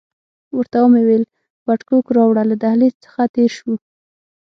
ورته ومې ویل وډکوک راوړه، له دهلیز څخه تېر شوو.